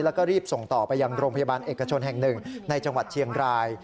แล้วก็รีบส่งต่อไปยังโรงพยาบาลเอกชนแห่งหนึ่งในจังหวัดเชียงราย